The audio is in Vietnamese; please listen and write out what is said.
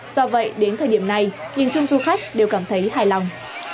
do vậy đến thời điểm này nhìn chung du khách đều cảm thấy hài lòng